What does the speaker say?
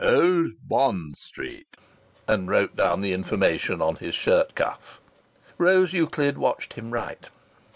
"Old Bond Street," and wrote down the information on his shirt cuff. Rose Euclid watched him write.